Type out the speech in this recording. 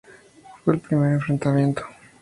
Fue el primer enfrentamiento.